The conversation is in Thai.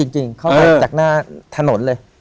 จริงเข้าไปจากหน้าถนนเลย